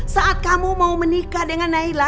saat kamu mau menikah dengan naila